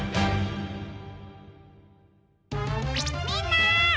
みんな！